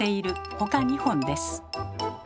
ほか２本です。